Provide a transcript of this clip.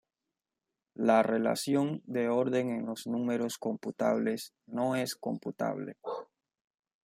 La relación de orden en los números computables no es computable.